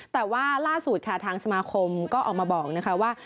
แต่ว่าล่าสุดทางสมาคมก็ออกมาบอกว่า